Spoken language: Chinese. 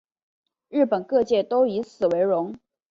日本各界都以此为荣。